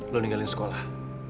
lu ninggalin sekolah